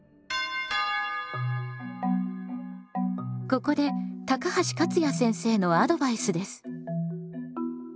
ここで高橋勝也先生のアドバイスです。